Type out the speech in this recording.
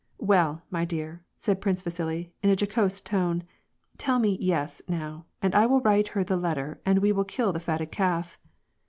" Well, my dear," said Prince Vasili, in a jocose tone, " tell me ' yes,' now, and I will write her the letter and we will kill the fatted calf."